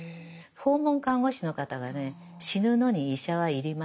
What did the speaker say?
訪問看護師の方がね死ぬのに医者は要りません。